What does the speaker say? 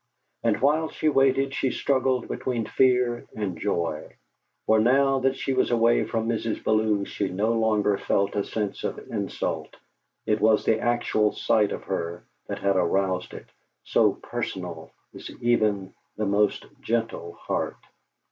And while she waited she struggled between fear and joy; for now that she was away from Mrs. Bellew she no longer felt a sense of insult. It was the actual sight of her that had aroused it, so personal is even the most gentle heart.